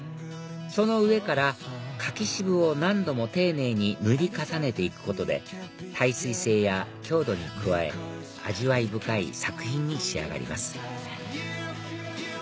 その上から柿渋を何度も丁寧に塗り重ねて行くことで耐水性や強度に加え味わい深い作品に仕上がります